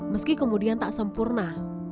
meski kemudian tak sempurna